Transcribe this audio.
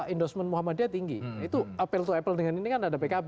endorsement muhammadiyah tinggi itu apple to apple dengan ini kan ada pkb